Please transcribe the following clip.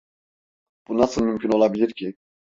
Bu nasıl mümkün olabilir ki?